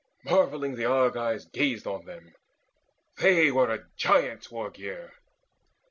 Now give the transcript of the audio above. Marvelling the Argives gazed on them: they were A giant's war gear.